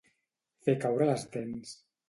Fer caure les dents.